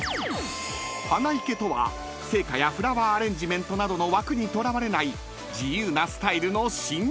［花いけとは生花やフラワーアレンジメントなどの枠にとらわれない自由なスタイルの新ジャンル］